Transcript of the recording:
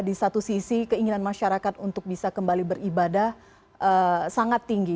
di satu sisi keinginan masyarakat untuk bisa kembali beribadah sangat tinggi